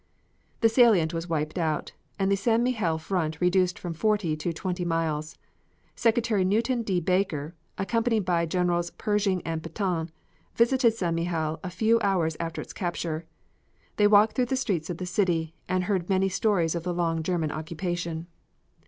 The salient was wiped out, and the St. Mihiel front reduced from forty to twenty miles. Secretary Newton D. Baker, accompanied by Generals Pershing and Petain, visited St. Mihiel a few hours after its capture. They walked through the streets of the city, and heard many stories of the long German occupation.